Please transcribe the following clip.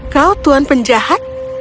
kau tuhan penjahat